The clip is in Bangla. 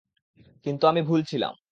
কিন্তু আমি ভুল ছিলাম।